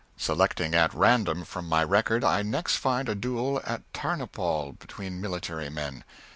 Selecting at random from my record, I next find a duel at Tarnopol between military men.